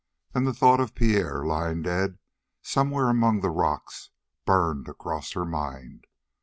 Then the thought of Pierre, lying dead somewhere among the rocks, burned across her mind.